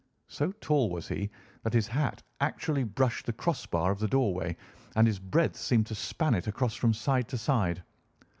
So tall was he that his hat actually brushed the cross bar of the doorway, and his breadth seemed to span it across from side to side.